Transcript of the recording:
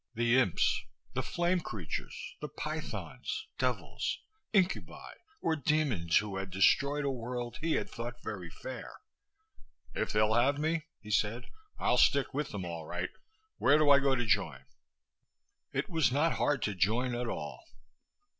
the imps, the "flame creatures," the pythons, devils, incubi or demons who had destroyed a world he had thought very fair. "If they'll have me," he said, "I'll stick with them, all right! Where do I go to join?" It was not hard to join at all.